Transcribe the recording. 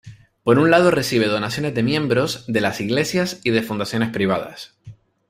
Por un lado recibe donaciones de miembros, de las iglesias y de fundaciones privadas.